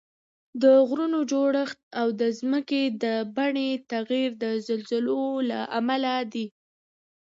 د غرونو جوړښت او د ځمکې د بڼې تغییر د زلزلو له امله دي